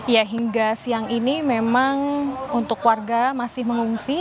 ya hingga siang ini memang untuk warga masih mengungsi